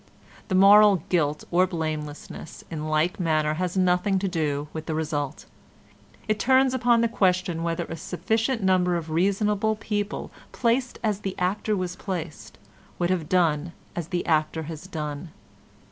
The moral guilt or blamelessness in like manner has nothing to do with the result; it turns upon the question whether a sufficient number of reasonable people placed as the actor was placed would have done as the actor has done.